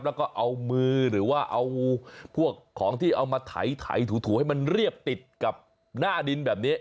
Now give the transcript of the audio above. แล้วก็เอามึของที่เอามาถ่ายถูให้มันเรียบติดกับหน้าดินแบบนี้